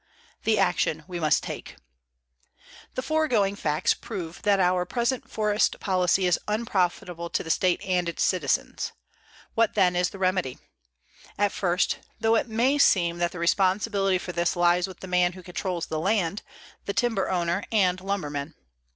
_ THE ACTION WE MUST TAKE The foregoing facts prove that our present forest policy is unprofitable to the state and its citizens. What, then, is the remedy? At first thought it may seem that the responsibility for this lies with the man who controls the land, the timber owner and lumberman.